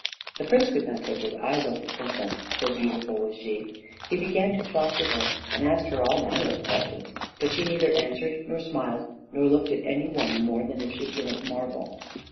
The prince could not take his eyes off the princess, so beautiful was she. He began to talk to her, and asked her all manner of questions, but she neither answered nor smiled, nor looked at any one more than if she had been of marble.